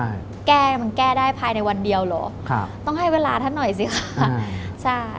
มันแก้ได้ภายในวันเดียวเหรอต้องให้เวลาท่านหน่อยสิค่ะ